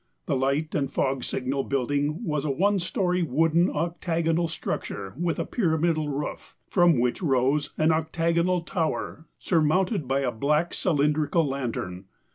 The light and fog signal building was a one story, wooden, octagonal structure with a pyramidal roof, from which rose an octagon tower surmounted by a black cylindrical lantern.